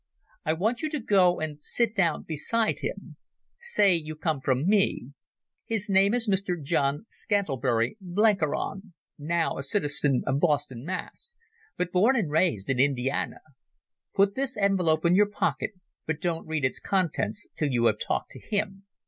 I want you to go and sit down beside him. Say you come from me. His name is Mr John Scantlebury Blenkiron, now a citizen of Boston, Mass., but born and raised in Indiana. Put this envelope in your pocket, but don't read its contents till you have talked to him.